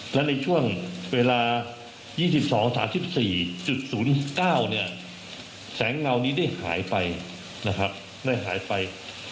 และในช่วงเวลา๒๒๓๔๐๙แสงเงานี้ได้หายไป